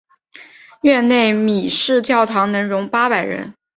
院内的米市教堂能容八百人。